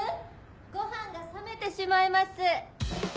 ごはんが冷めてしまいます。